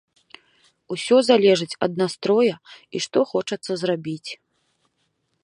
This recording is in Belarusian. Усе залежыць ад настроя і што хочацца зрабіць.